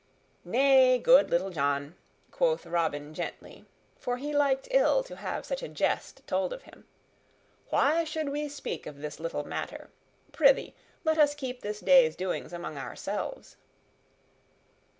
"Nay, good Little John," quoth Robin gently, for he liked ill to have such a jest told of him. "Why should we speak of this little matter? Prythee, let us keep this day's doings among ourselves."